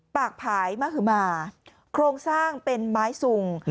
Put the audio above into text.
ผายมหมาโครงสร้างเป็นไม้สุง